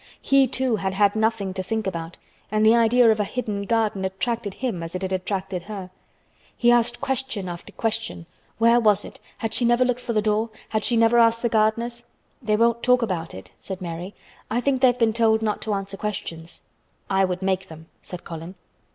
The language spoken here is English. He too had had nothing to think about and the idea of a hidden garden attracted him as it had attracted her. He asked question after question. Where was it? Had she never looked for the door? Had she never asked the gardeners? "They won't talk about it," said Mary. "I think they have been told not to answer questions." "I would make them," said Colin.